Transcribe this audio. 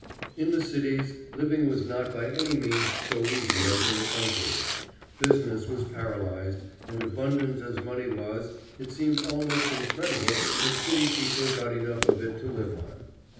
In the cities, living was not by any means so easy as in the country. Business was paralyzed, and abundant as money was, it seems almost incredible that city people got enough of it to live on.